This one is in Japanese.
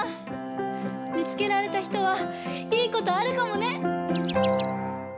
見つけられたひとはいいことあるかもね！